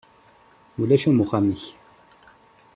Ulac am uxxam-ik.